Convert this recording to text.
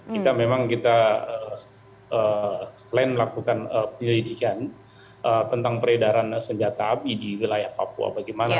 kita memang kita selain melakukan penyelidikan tentang peredaran senjata api di wilayah papua bagaimana